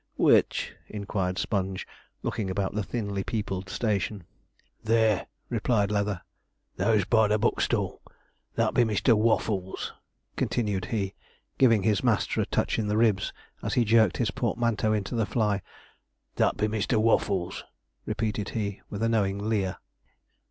'Which?' inquired Sponge, looking about the thinly peopled station. 'There,' replied Leather, 'those by the book stall. That be Mr. Waffles,' continued he, giving his master a touch in the ribs as he jerked his portmanteau into a fly, 'that be Mr. Waffles,' repeated he, with a knowing leer.